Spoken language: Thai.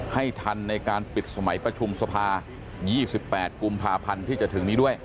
ให้ทันในการปิดสมัยประชุมสภา๒๘กุมภาพันธ์ที่จะถึงนี้ด้วย